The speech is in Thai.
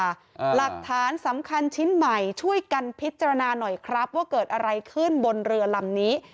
หลักฐานสำคัญชิ้นใหม่ช่วยกันพิจารณาหน่อยครับว่าเกิดอะไรขึ้นบนเรือลำนี้